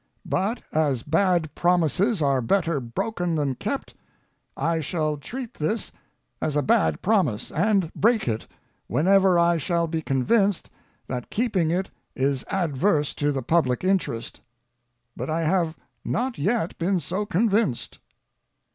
But, as bad promises are better broken than kept, I shall treat this as a bad promise, and break it, whenever I shall be convinced that keeping it is adverse to the public interest. But I have not yet been so convinced.